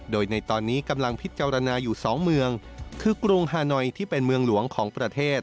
โดยในตอนนี้กำลังพิจารณาอยู่สองเมืองคือกรุงฮานอยที่เป็นเมืองหลวงของประเทศ